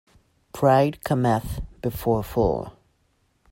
Pride cometh before a fall.